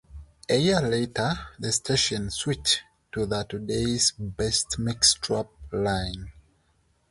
A year later, the station switched to the "Today's Best Mix" strapline.